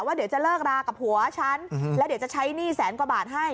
เดี๋ยวจะเลิกรากับผัวฉันแล้วเดี๋ยวจะใช้หนี้แสนกว่าบาทให้